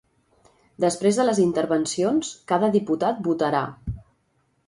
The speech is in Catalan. Després de les intervencions, cada diputat votarà.